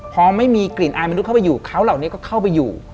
พอไม่มีกลิ่นอายมนุษยเข้าไปอยู่เขาเหล่านี้ก็เข้าไปอยู่